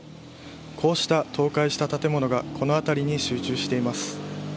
こうした倒壊した建物がこの辺りに集中しています。